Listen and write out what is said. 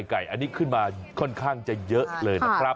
ไก่อันนี้ขึ้นมาค่อนข้างจะเยอะเลยนะครับ